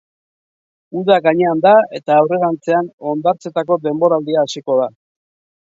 Uda gainean da eta aurrerantzean hondartzetako denboraldia hasiko da.